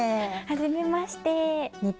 はじめまして。